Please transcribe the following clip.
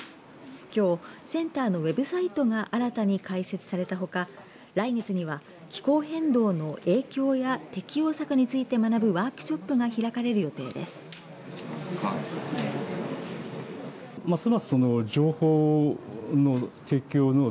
きょう、センターのウェブサイトが新たに開設されたほか来月には気候変動の影響や適応策について学ぶワークショップが開かれる予定です。